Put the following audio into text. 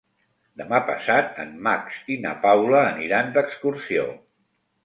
Demà passat en Max i na Paula aniran d'excursió.